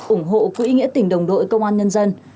ủng hộ quỹ nghĩa tỉnh đồng đội công an nhân dân